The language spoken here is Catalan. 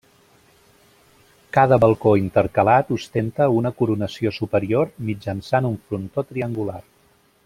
Cada balcó intercalat ostenta una coronació superior mitjançant un frontó triangular.